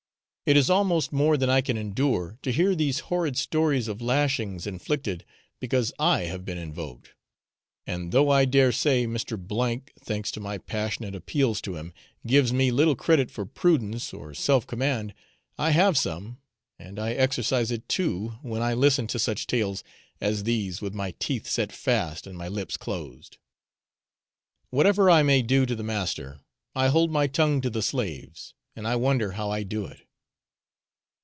It is almost more than I can endure to hear these horrid stories of lashings inflicted because I have been invoked; and though I dare say Mr. , thanks to my passionate appeals to him, gives me little credit for prudence or self command, I have some, and I exercise it too when I listen to such tales as these with my teeth set fast and my lips closed. Whatever I may do to the master, I hold my tongue to the slaves, and I wonder how I do it.